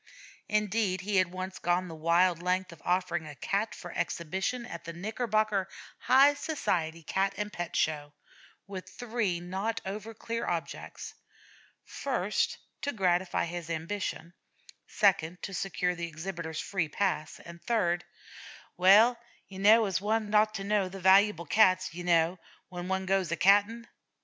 Indeed, he had once gone the wild length of offering a Cat for exhibition at the Knickerbocker High Society Cat and Pet Show, with three not over clear objects: first, to gratify his ambition; second, to secure the exhibitor's free pass; and, third, "well, you kneow, one 'as to kneow the valuable Cats, you kneow, when one goes a catting."